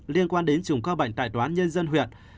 liên quan đến trùng ca bệnh tại toán nhân dân huyện